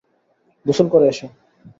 গোসল করে এসো।